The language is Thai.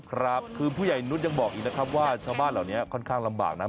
ครับคือผู้ใหญ่นุษย์ยังบอกอีกนะครับว่าชาวบ้านเหล่านี้ค่อนข้างลำบากนะ